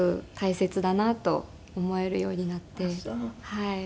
はい。